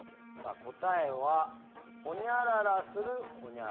答えはホニャララするホニャララ。